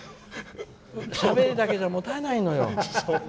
しゃべりだけじゃ持たないのよ。